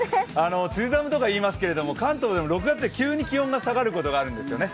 梅雨寒とかいいますけれども関東でも６月は急に気温が下がることがあるんですよね。